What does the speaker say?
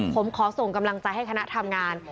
ผมขอส่งกำลังใจให้คณะทำงาน